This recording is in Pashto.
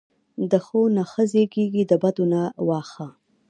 دښو نه ښه زیږیږي، د بدونه واښه.